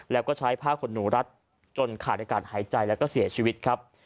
แล้วก็ใช้ผ้าขนหนูรัดจนขาดอากาศหายใจแล้วก็เสียชีวิตครับ